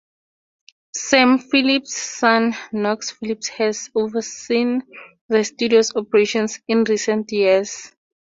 Sam Phillips' son Knox Phillips has overseen the studio's operations in recent years.